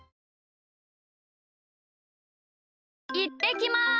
いってきます！